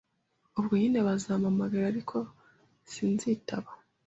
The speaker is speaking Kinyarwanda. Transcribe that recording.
Ubwo nyine bazampamagara ariko sinzitaba